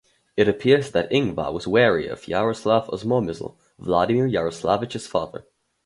It appears that Ingvar was wary of Yaroslav Osmomysl, Vladimir Yaroslavich's father.